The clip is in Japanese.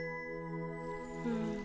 うん。